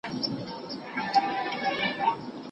څوک غواړي چي په دې ګروپ کي کار وکړي؟